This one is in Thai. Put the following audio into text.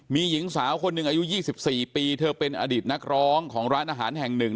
มีหญิงสาวคนหนึ่งอายุ๒๔ปีเธอเป็นอดีตนักร้องของร้านอาหารแห่งหนึ่ง